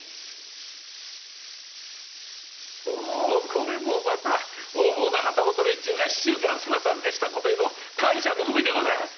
これもまた横暴な旗本連中が市中から姿を消したことへの感謝の文です。